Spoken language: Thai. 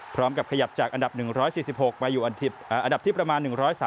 พร้อมกับขยับจากอันดับ๑๔๖มาอยู่อันดับที่ประมาณ๑๓